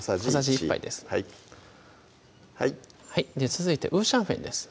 続いて五香粉です